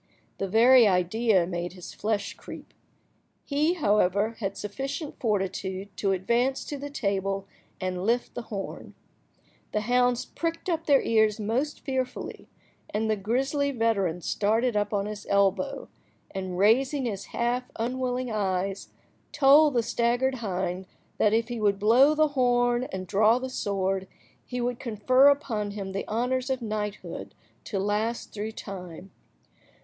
The very idea made his flesh creep. He, however, had sufficient fortitude to advance to the table and lift the horn. The hounds pricked up their ears most fearfully, and the grisly veteran started up on his elbow, and raising his half–unwilling eyes, told the staggered hind that if he would blow the horn and draw the sword, he would confer upon him the honours of knighthood to last through time.